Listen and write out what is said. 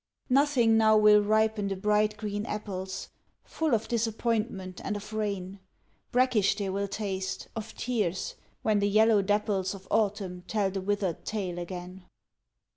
Nothing now will ripen the bright green apples, Full of disappointment and of rain, Brackish they will taste, of tears, when the yellow dapples Of autumn tell the withered tale again.